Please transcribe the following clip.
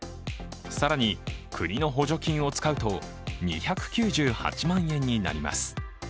更に国の補助金を使うと２９８万円になります。